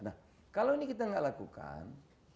nah kalau ini kita tidak lakukan